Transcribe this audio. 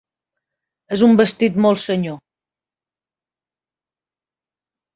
És un vestit molt senyor.